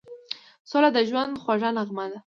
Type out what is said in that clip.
سوله د ژوند خوږه نغمه ده.